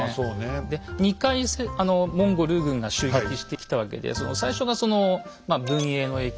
で２回モンゴル軍が襲撃してきたわけで最初が「文永の役」